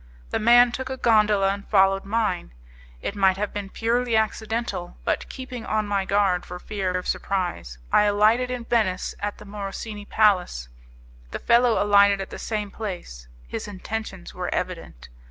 The man took a gondola and followed mine. It might have been purely accidental; but, keeping on my guard for fear of surprise, I alighted in Venice at the Morosini Palace; the fellow alighted at the same place; his intentions were evident.